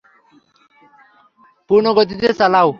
পূর্ণ গতিতে চালাও!